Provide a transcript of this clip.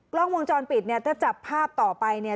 กล้องวงจรปิดเนี่ยถ้าจับภาพต่อไปเนี่ย